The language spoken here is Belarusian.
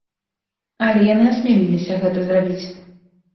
Але яны асмеліліся гэта зрабіць.